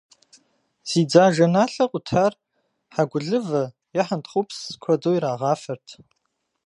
Зи дзажэналъэ къутар хьэгулывэ е хьэнтхъупс куэду ирагъафэрт.